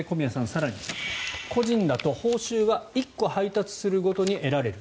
更に個人だと報酬は１個配達するごとに得られる。